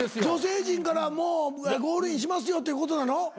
女性陣からもうゴールインしますよっていうことなの？